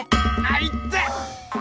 あいって！